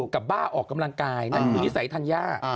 กับบ้าออกกำลังกายนั่นคือนิสัยธัญญา